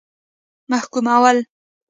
محکومول.